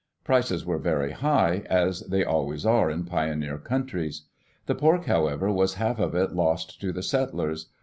Prices were very high, as they always are in pioneer countries. The pork, however, was half of it lost to the settlers.